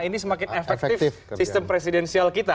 ini semakin efektif sistem presidensial kita